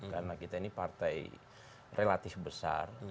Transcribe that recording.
karena kita ini partai relatif besar